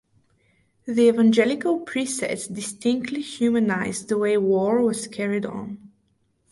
The Evangelical precepts distinctly humanized the way war was carried on.